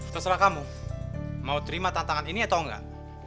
terserah kamu mau terima tantangan ini atau enggak